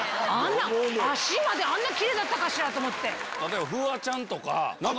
脚まであんなキレイだったかしら？と思って。